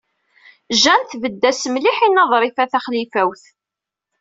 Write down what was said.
Jane tebded-as mliḥ i Lalla Ḍrifa Taxlifawt.